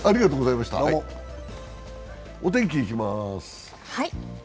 お天気にいきます。